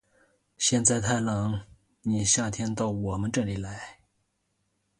现在太冷，你夏天到我们这里来。